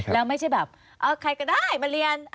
แล้วไม่ใช่แบบใครก็ได้มาเรียน